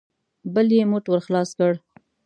بل يې موټ ور خلاص کړ.